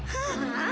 あ？